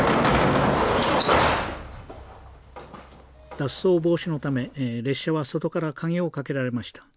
脱走防止のため列車は外から鍵をかけられました。